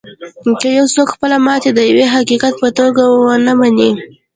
که یو څوک خپله ماتې د یوه حقیقت په توګه و نهمني